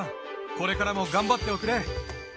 これからも頑張っておくれ。